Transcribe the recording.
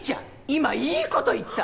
今いいこと言った。